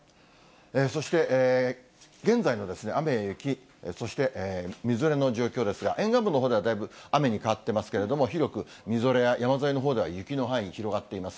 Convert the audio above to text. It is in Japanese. そして、現在の雨や雪、そしてみぞれの状況ですが、沿岸部のほうではだいぶ雨に変わってますけれども、広くみぞれや、山沿いのほうでは雪の範囲、広がっています。